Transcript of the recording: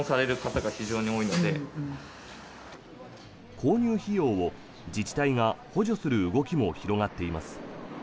購入費用を自治体が補助する動きも広がっています。